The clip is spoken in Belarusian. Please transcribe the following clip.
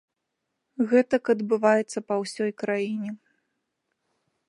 Гэтак адбываецца па ўсёй краіне.